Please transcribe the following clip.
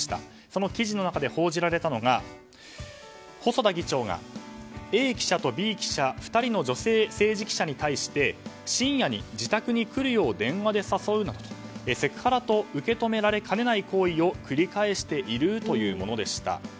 その記事の中で報じられたのが細田議長がＡ記者とＢ記者２人の女性政治記者に対し深夜に自宅に来るよう電話で誘うなどセクハラと受け止められかねない行為を繰り返しているというものでした。